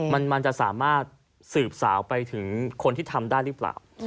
มันจะสามารถสืบสาวไปถึงคนที่ทำได้หรือเปล่า